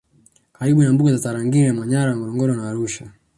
karibu na mbuga za Tarangire Manyara Ngorongoro Arusha